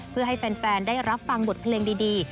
เพื่อให้แฟนได้รับฟังบทเพลงดี